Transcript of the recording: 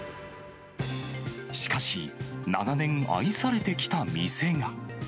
しかし、長年愛されてきた店が。